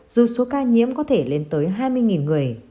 dù số ca nhiễm có thể lên tới hai mươi người